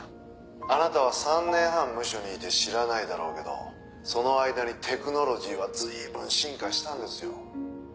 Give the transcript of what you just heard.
あなたは３年半ムショにいて知らないだろうけどその間にテクノロジーは随分進化したんですよ」